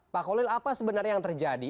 pak khalil apa sebenarnya yang terjadi